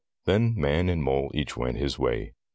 Then man and mole each went his way.